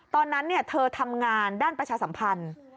ตอนนั้นเธอทำงานด้านประชาสัมพันธ์